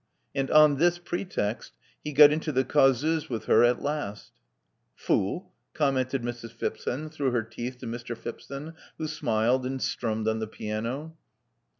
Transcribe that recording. And, on this pretext, he got into the causeuse with her at last. Fo()l!" commented Mrs. Phipson through her teeth to Mr. Phipson, who smiled, and strummed on the piano.